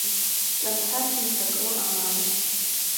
Ҿарҳасымҭак ыҟам амш.